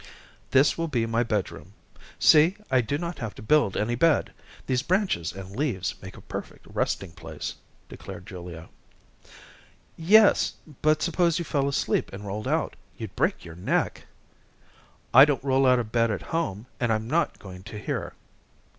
"This will be my bedroom. See, I do not have to build any bed. These branches and leaves make a perfect resting place," declared Julia. "Yes, but suppose you fell asleep and rolled out. You'd break your neck." "I don't roll out of bed at home, and I'm not going to here."